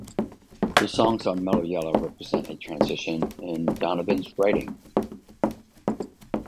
The songs on "Mellow Yellow" represent a transition in Donovan's writing.